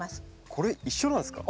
これ一緒なんですか？